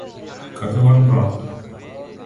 Как и ваш брат.